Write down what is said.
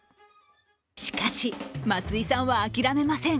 しかし松井さんは諦めません。